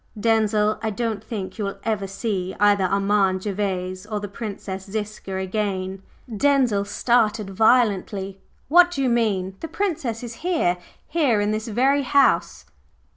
Denzil, I don't think you will ever see either Armand Gervase or the Princess Ziska again." Denzil started violently. "What do you mean? The Princess is here, here in this very house."